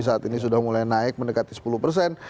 saat ini sudah mulai naik mendekati sepuluh persen